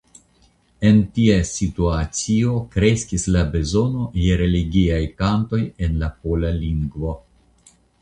En tia situacio kreskis la bezono je religiaj kantoj en la pola lingvo.